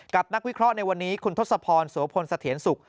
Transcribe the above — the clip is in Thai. นักวิเคราะห์ในวันนี้คุณทศพรโสพลสะเทียนสุข